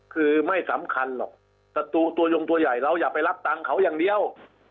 คือไม่สำคัญหรอกศัตรูตัวยงตัวใหญ่เราอย่าไปรับตังค์เขาอย่างเดียว